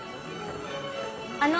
あの！